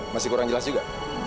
masih kurang jelas juga